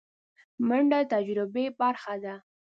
منډه د تجربې برخه ده